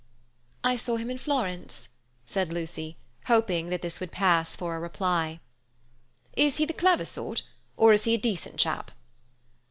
"I saw him in Florence," said Lucy, hoping that this would pass for a reply. "Is he the clever sort, or is he a decent chap?"